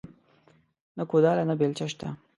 نه کوداله نه بيلچه شته